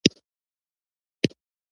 هو، تا ته خوب ولې نه درځي؟ ما وپوښتل.